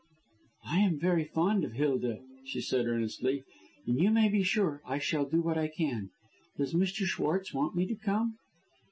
"I am very fond of Hilda," she said earnestly; "and you may be sure I shall do what I can. Does Mr. Schwartz want me to come?"